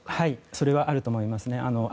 それはあると思います。